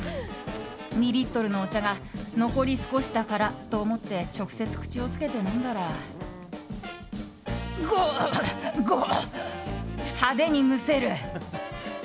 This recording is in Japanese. ２リットルのお茶が残り少しだからと思って直接口をつけて飲んだら派手にむせる。